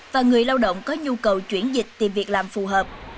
và người lao động có nhu cầu chuyển dịch tìm việc làm phù hợp